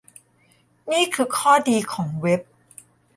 นี่คือข้อดีของเว็บ